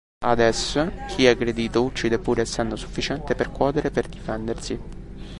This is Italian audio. Ad es: chi aggredito uccide pur essendo sufficiente percuotere per difendersi.